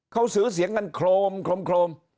เขาซื้อเสียงกันโครมโครม